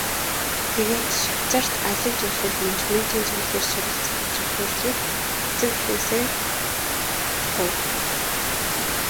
Тэгээд Швейцарьт аялал жуулчлал, менежментийн чиглэлээр суралцах зөвшөөрлийг эцэг эхээсээ гуйв.